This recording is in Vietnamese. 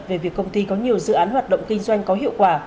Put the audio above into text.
về việc công ty có nhiều dự án hoạt động kinh doanh có hiệu quả